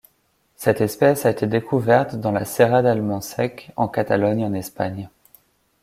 Cette espèce a été découverte dans la Serra del Montsec en Catalogne en Espagne.